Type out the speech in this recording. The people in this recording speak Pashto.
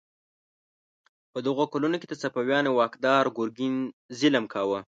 په دغو کلونو کې د صفویانو واکدار ګرګین ظلم کاوه.